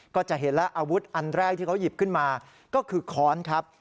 ก็จะเห็นแล้วอาวุธอันแรกที่เขาหยิบขึ้นมาก็คือค้อนครับ